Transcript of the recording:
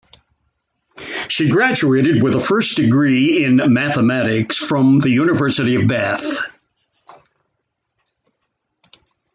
She graduated with a first degree in Mathematics from the University of Bath.